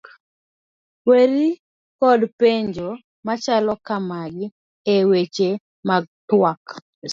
Weri kod penjo machalo ka magi e seche mag tuak: